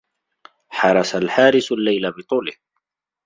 حرس الحارس الليل بطوله.